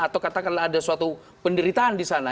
atau katakanlah ada suatu penderitaan di sana